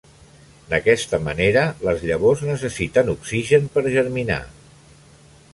D'aquesta manera, les llavors necessiten oxigen per germinar.